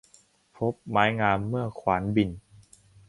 พบไม้งามเมื่อขวานบิ่น